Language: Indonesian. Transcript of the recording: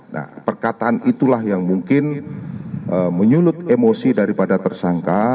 nah perkataan itulah yang mungkin menyulut emosi daripada tersangka